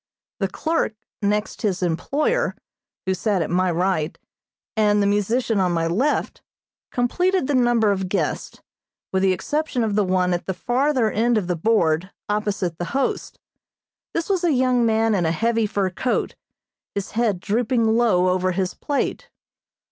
The clerk, next his employer, who sat at my right, and the musician on my left, completed the number of guests, with the exception of the one at the farther end of the board, opposite the host. This was a young man in a heavy fur coat, his head drooping low over his plate.